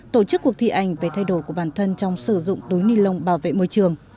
tổ chức cuộc thi ảnh về thay đổi của bản thân trong sử dụng túi ni lông bảo vệ môi trường